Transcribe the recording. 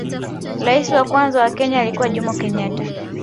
rais wa kwanza wa kenya alikuwa jomo kenyatta